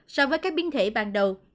so với các biến thể ban đầu